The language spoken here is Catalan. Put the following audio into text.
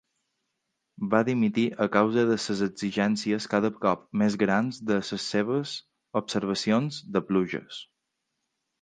Va dimitir a causa de les exigències cada cop més grans de les seves observacions de pluges.